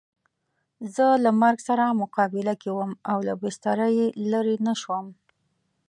زه له مرګ سره مقابله کې وم او له بستره یې لرې نه شوم.